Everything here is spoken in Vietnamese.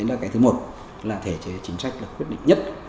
nó có cái thứ một là thể chế chính sách là quyết định nhất